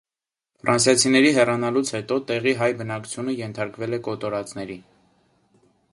Ֆրանսիացիների հեռանալուց հետո տեղի հայ բնակչությունը ենթարկվել է կոտորածների։